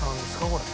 これ。